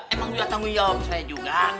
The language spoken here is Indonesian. emang juga tanggung jawab saya juga